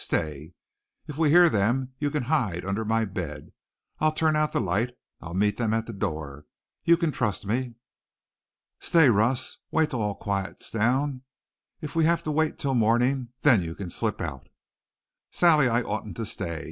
Stay. If we hear them you can hide under my bed. I'll turn out the light. I'll meet them at the door. You can trust me. Stay, Russ. Wait till all quiets down, if we have to wait till morning. Then you can slip out." "Sally, I oughtn't to stay.